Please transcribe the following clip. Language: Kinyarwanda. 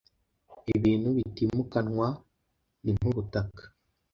Ibintu bitimukanwa ninkubutaka.